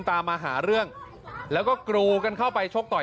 ตามมาหาเรื่องแล้วก็กรูกันเข้าไปชกต่อย